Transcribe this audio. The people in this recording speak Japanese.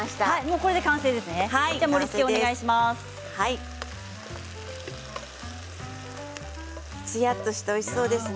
これで完成ですね